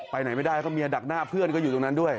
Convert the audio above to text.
ไปไหนไม่ได้ก็เมียดักหน้าเพื่อนก็อยู่ตรงนั้นด้วย